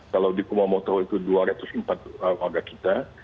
kalau di kumamoto itu dua ratus empat warga kita